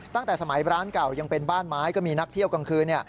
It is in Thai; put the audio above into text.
ตั้งแต่สมัยร้านเก่ายังเป็นบ้านไม้ก็มีนักเที่ยวกลางคืน